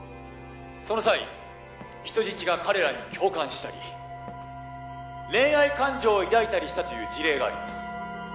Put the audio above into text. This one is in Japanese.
その際人質が彼らに共感したり恋愛感情を抱いたりしたという事例があります。